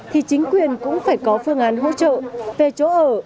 thì chính quyền cũng phải có phương án hỗ trợ về chỗ ở